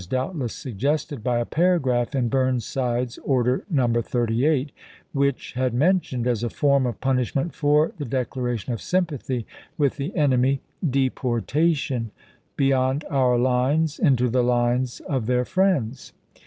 doubtless suggested by a paragraph in Burnside's Order No. 38, which had mentioned, as a form of punishment for the declaration of sympathy with the enemy, deportation " beyond our lines into the lines of their friends."